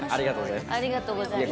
ありがとうございます。